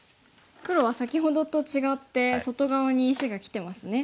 黒は先ほどと違って外側に石がきてますね。